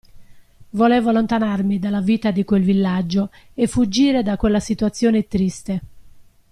Volevo allontanarmi dalla vita di quel villaggio e fuggire da quella situazione triste.